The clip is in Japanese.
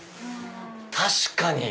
確かに！